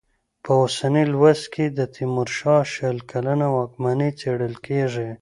په اوسني لوست کې د تېمورشاه شل کلنه واکمني څېړل کېږي.